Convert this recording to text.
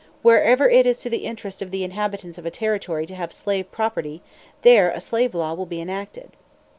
Wherever it is to the interest of the inhabitants of a territory to have slave property, there a slave law will be enacted."